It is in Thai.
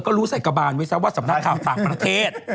ก็รู้ใส่กระบานไว้ซะว่าสำนักข่าวต่างประเทศ